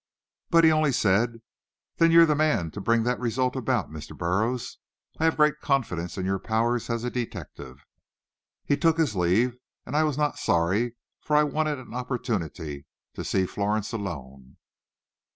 But he only said, "Then you're the man to bring that result about, Mr. Burroughs. I have great confidence in your powers as a detective." He took his leave, and I was not sorry, for I wanted an opportunity to see Florence alone.